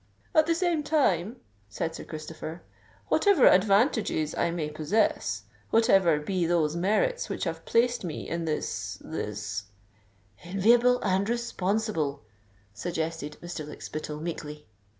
"At the same time," said Sir Christopher, "whatever advantages I may possess—whatever be those merits which have placed me in this—this——" "Enviable and responsible," suggested Mr. Lykspittal, meekly.